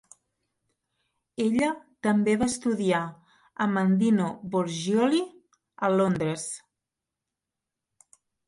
Ella també va estudiar amb en Dino Borgioli a Londres.